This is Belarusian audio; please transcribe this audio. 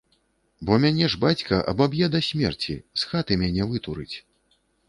Бо мяне ж бацька абаб'е да смерці, з хаты мяне вытурыць.